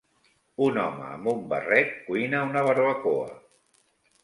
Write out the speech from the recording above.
Un home amb un barret cuina una barbacoa.